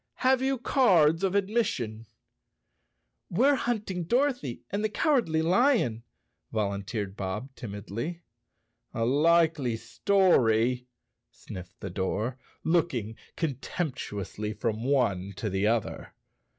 Have you cards of admission?" "We're hunting Dorothy and the Cowardly Lion," volunteered Bob timidly. "A likely story," sniffed the door, looking contemptu¬ ously from one to the other.